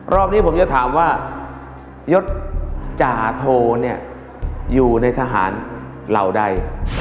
รอบนี้ผมจะถามว่ายศจาโทเนี่ยอยู่ในทหารเหล่าใด